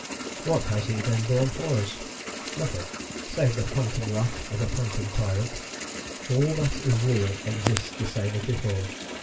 What has he then borne for us? Nothing, save the phantom wrath of a phantom tyrant; all that is real exists the same as before.